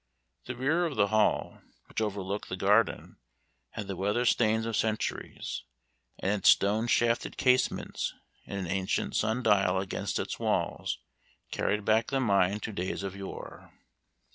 The rear of the Hall, which overlooked the garden, had the weather stains of centuries, and its stone shafted casements and an ancient sun dial against its walls carried back the mind to days of yore.